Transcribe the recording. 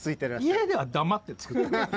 家では黙って作ってます。